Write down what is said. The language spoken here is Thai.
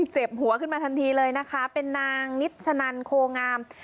เจ็บหัวขึ้นมาทันทีเลยนะคะเป็นนางนิชชะนันโคงาม